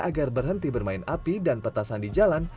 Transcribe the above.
agar berhenti bermain api dan petasan di jalan